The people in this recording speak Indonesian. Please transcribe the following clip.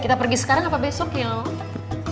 kita pergi sekarang apa besok yuk